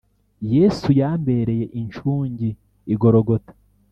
Yesu yambereye incungi I gologota